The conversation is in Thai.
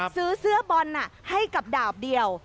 ซื้อเสื้อบอลให้กับดาบเดียว